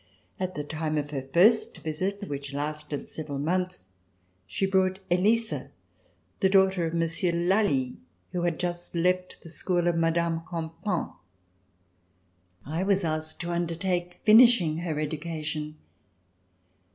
At the time of her first visit, which lasted several months, she brought Elisa, the daughter of Monsieur de Lally, who had just left the school of Mme. Campan. I was asked to undertake finishing her education.